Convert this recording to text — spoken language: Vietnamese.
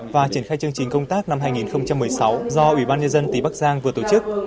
và triển khai chương trình công tác năm hai nghìn một mươi sáu do ủy ban nhân dân tỉnh bắc giang vừa tổ chức